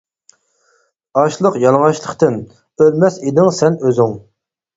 ئاچلىق يالىڭاچلىقتىن، ئۆلمەس ئىدىڭ سەن ئۆزۈڭ.